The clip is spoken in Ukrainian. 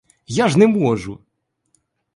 Я ж не можу!